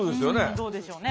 どうでしょうね。